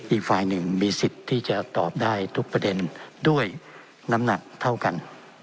อีกฝ่ายหนึ่งมีสิทธิ์ที่จะตอบได้ทุกประเด็นด้วยน้ำหนักเท่ากัน